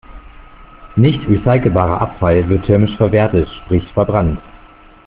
Nicht recycelbarer Abfall wird thermisch verwertet, sprich verbrannt.